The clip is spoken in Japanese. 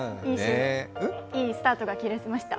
いいスタートが切れました。